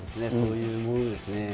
そういうものですね。